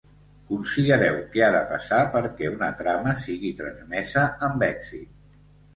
Considereu què ha de passar perquè una trama sigui transmesa amb èxit.